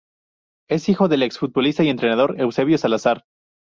Es hijo del ex futbolista y entrenador Eusebio Salazar.